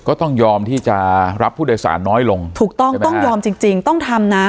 ก็ต้องยอมที่จะรับผู้โดยสารน้อยลงถูกต้องต้องยอมจริงจริงต้องทำนะ